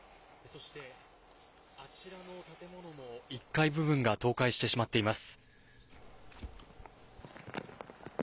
そして、あちらの建物も１階部分が倒壊してしまっています。